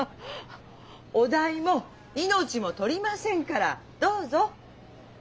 お代も命も取りませんからどうぞ。